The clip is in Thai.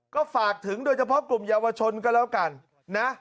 ก็ฝากถึงโดยเฉพาะกลุ่มเยาวชนก็แล้วกันนะ